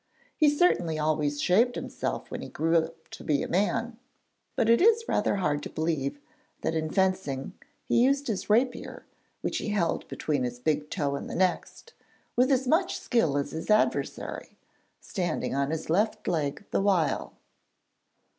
He certainly always shaved himself when he grew to be a man, but it is rather hard to believe that in fencing he used his rapier, which he held between his big toe and the next, 'with as much skill as his adversary,' standing on his left leg the while.